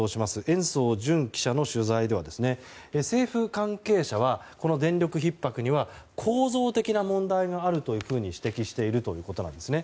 延増惇記者の取材では政府関係者は、電力ひっ迫には構造的な問題があると指摘しているということです。